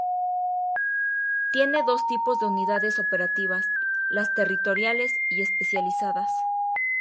Tiene dos tipos de Unidades Operativas: las territoriales y especializadas.